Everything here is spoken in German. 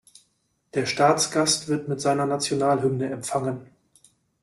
Der Staatsgast wird mit seiner Nationalhymne empfangen.